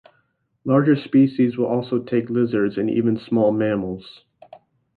Larger species will also take lizards and even small mammals.